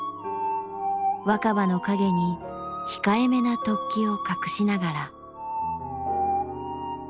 若葉の陰に控えめな突起を隠しながら。